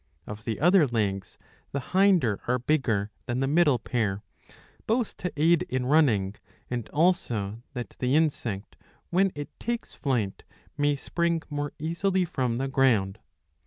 Of the other legs, the hinder are bigger than the middle pair, both to aid in running and also that the insect, when it takes flight, may spring more easily from the ground.